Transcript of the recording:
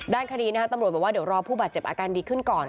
ด้านคดีนะฮะตำรวจบอกว่าเดี๋ยวรอผู้บาดเจ็บอาการดีขึ้นก่อน